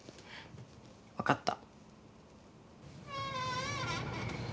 わかった。